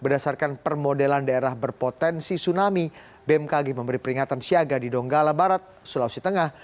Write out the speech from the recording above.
berdasarkan permodelan daerah berpotensi tsunami bmkg memberi peringatan siaga di donggala barat sulawesi tengah